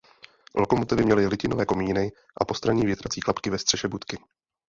Lokomotivy měly litinové komíny a postranní větrací klapky ve střeše budky.